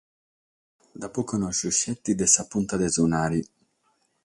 L'apo connotu petzi dae sa punta de su nare.